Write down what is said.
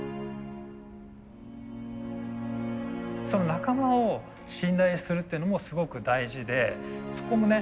仲間を信頼するっていうのもすごく大事でそこもね